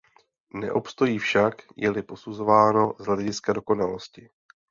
Neobstojí však, je-li posuzováno z hlediska dokonalosti.